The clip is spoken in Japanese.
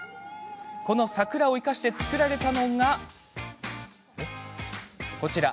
この桜を生かして作られたのがこちら。